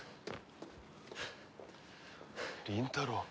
倫太郎。